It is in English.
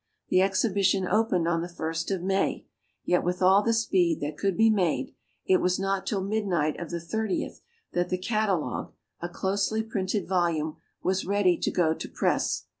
The Exhibition opened on the first of May; yet with all the speed that could be made, it was not till midnight of the 30th that the catalogue, a closely printed volume, was ready to go to press.